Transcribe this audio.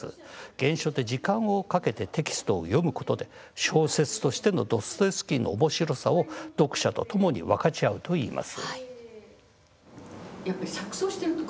原書で時間をかけてテキストを読むことで小説としてのドストエフスキーのおもしろさを読者とともに分かち合いたいといいます。